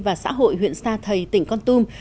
và xã hội huyện sa thầy tỉnh con tum